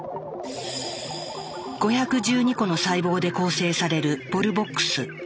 ５１２個の細胞で構成されるボルボックス。